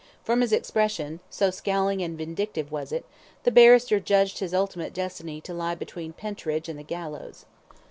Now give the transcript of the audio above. From his expression so scowling and vindictive was it the barrister judged his ultimate destiny to lie between Pentridge and the gallows.